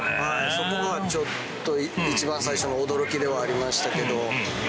そこがちょっと一番最初の驚きではありましたけど。